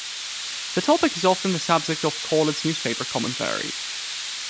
The topic is often the subject of college newspaper commentary.